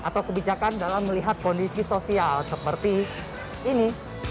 atau kebijakan dalam melihat kondisi sosial seperti ini